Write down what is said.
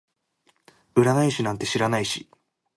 占い師なんて知らないし